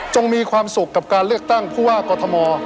มีความสุขกับการเลือกตั้งผู้ว่ากอทม